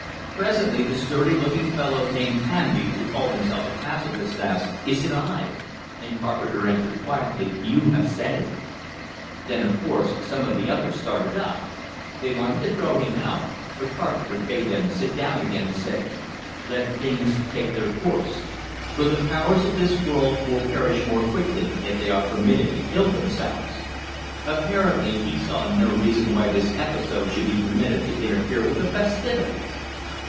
Presently the sturdy looking fellow named Hamby, who called himself a pacifist, asked, "Is it I?" And Carpenter answered, quietly, "You have said it." Then, of course, some of the others started up; they wanted to throw him out, but Carpenter bade them sit down again, saying, "Let things take their course; for the powers of this world will perish more quickly if they are permitted to kill themselves." Apparently he saw no reason why this episode should be permitted to interfere with the festivities.